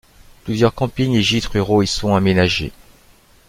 Plusieurs campings et gîtes ruraux y sont aménagés.